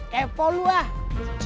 kepo lu ah